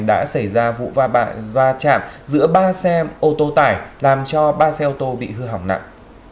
đã xảy ra vụ va bạ va chạm giữa ba xe ô tô tải làm cho ba xe ô tô bị hư hỏng nặng